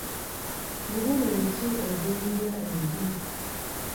Bubonero ki obw'endya embi?